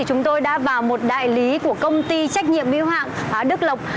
chúng tôi đã vào một đại lý của công ty trách nhiệm hữu hoạn đức lộc